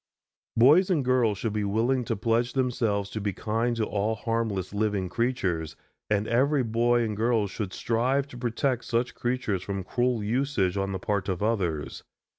Boys and girls should be willing to pledge themselves to be kind to all harmless living creatures, and every boy and girl should strive to protect such creatures from cruel usage on the part of others.